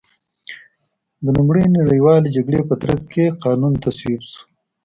د لومړۍ نړیوالې جګړې په ترڅ کې قانون تصویب شو.